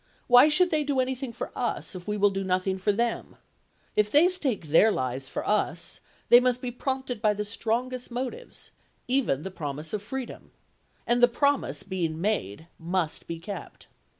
Why should they do anything for us if we will do nothing for them 1 If they stake their lives for us they must be prompted by the strongest motives — even the promise of freedom. And the promise being made, must be kept.'